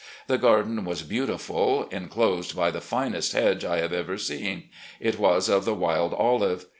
The garden was beautiful, inclosed by the finest hedge I have ever seen. It was of the wild olive.